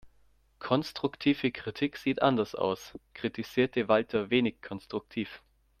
"Konstruktive Kritik sieht anders aus", kritisierte Walter wenig konstruktiv.